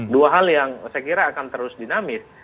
dua hal yang saya kira akan terus dinamis